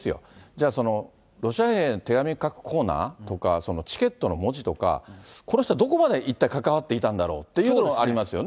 じゃあ、ロシア兵に手紙書くコーナーとか、チケットの文字とか、この人はどこまで一体関わっていたんだろうというのはありますよ